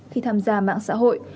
khi tham gia mạng xã hội